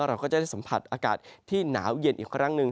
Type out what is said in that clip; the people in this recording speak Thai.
เราก็จะได้สัมผัสอากาศที่หนาวเย็นอีกครั้งหนึ่ง